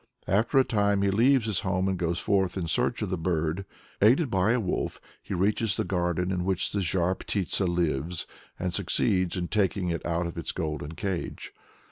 After a time he leaves his home and goes forth in search of the bird. Aided by a wolf, he reaches the garden in which the Zhar Ptitsa lives, and succeeds in taking it out of its golden cage.